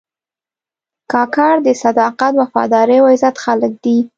کاکړ د صداقت، وفادارۍ او عزت خلک دي.